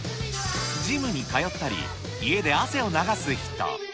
ジムに通ったり、家で汗を流す人。